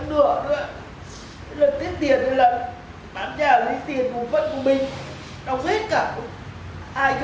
hai cấp tuần đấy